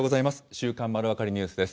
週刊まるわかりニュースです。